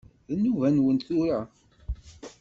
D nnuba-nwen tura?